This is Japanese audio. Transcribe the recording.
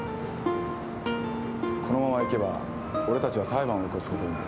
このままいけば俺たちは裁判を起こすことになる。